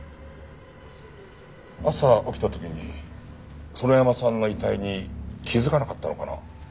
朝起きた時に園山さんの遺体に気づかなかったのかな？